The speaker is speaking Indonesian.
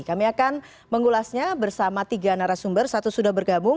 kami akan mengulasnya bersama tiga narasumber satu sudah bergabung